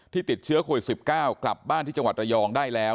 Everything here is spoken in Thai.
ติดเชื้อโควิด๑๙กลับบ้านที่จังหวัดระยองได้แล้ว